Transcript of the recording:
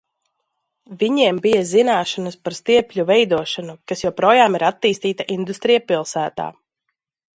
Viņiem bija zināšanas par stiepļu veidošanu, kas joprojām ir attīstīta industrija pilsētā.